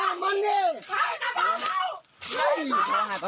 มันก็ไม่ไหวกันแล้วมันก็ไม่ไหวกันแล้วพอเพิ่งคนเมาคนเมาคนเมา